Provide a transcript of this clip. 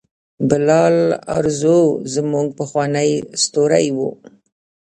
بلال ارزو زموږ پخوانی ستوری و.